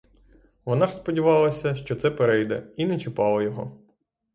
Вона ж сподівалася, що це перейде, і не чіпала його.